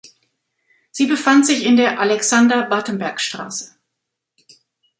Sie befand sich in der "Alexandar Batemberg-Str.